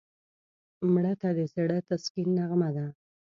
مړه ته د زړه تسکین نغمه ده